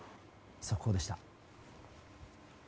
速報でした。